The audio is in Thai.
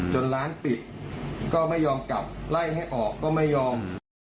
จนร้านปิดก็ไม่ยอมกลับไล่ให้ออกก็ไม่ยอม